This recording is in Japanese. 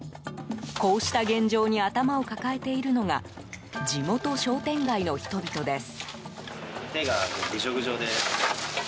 こうした現状に頭を抱えているのが地元商店街の人々です。